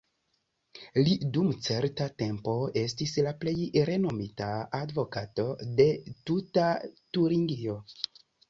Li dum certa tempo estis la plej renomita advokato de tuta Turingio.